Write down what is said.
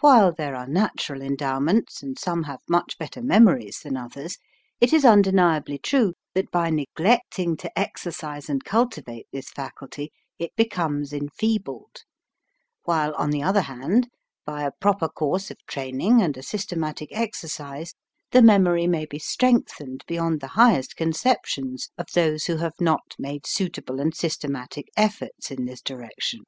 While jthere are natural endowments, and some have much better memories than others, it is undeniably true that by neglecting to exercise and cultivate this faculty it becomes enfeebled, while, on the other hand, by a proper course of training and a systematic exercise, the memory may be strengthened be yond the highest conceptions of those who have not made suitable and sys tematic efforts in this direction.